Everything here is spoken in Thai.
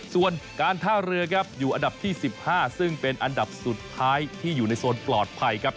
ส่วนการท่าเรือครับอยู่อันดับที่๑๕ซึ่งเป็นอันดับสุดท้ายที่อยู่ในโซนปลอดภัยครับ